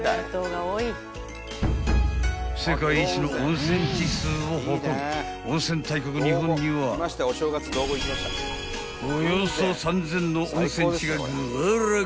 ［世界一の温泉地数を誇る温泉大国日本にはおよそ３，０００の温泉地がぐわらぐわらと］